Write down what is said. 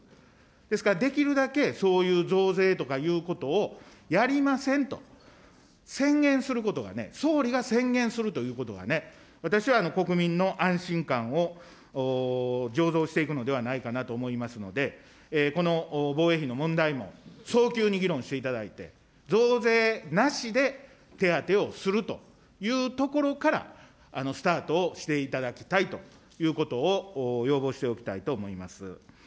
ですから、できるだけそういう増税とかいうことを、やりませんと、宣言することがね、総理が宣言するということがね、私は国民の安心感をじょうぞうしていくのではないかなと思いますので、この防衛費の問題も早急に議論していただいて、増税なしで手当をするというところからスタートをしていただきたいということを要望しておきたいと思います。